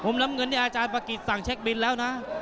มค์อาจารย์ปะกรีชสั่งเช็คบินแล้วน่ะ